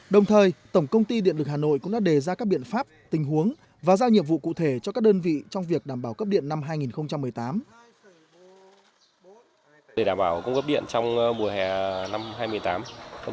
đồng thời tổng công ty điện lực hà nội cũng đã đề ra các biện pháp tình huống và giao nhiệm vụ cụ thể cho các đơn vị trong việc đảm bảo cấp điện năm hai nghìn một mươi tám